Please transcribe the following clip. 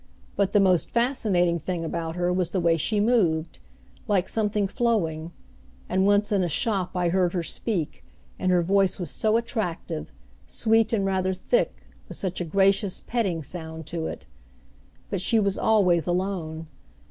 But the most fascinating thing about her was the way she moved, like something flowing; and once in a shop I heard her speak, and her voice was so attractive, sweet and rather thick, with such a gracious, petting sound to it! But she was always alone.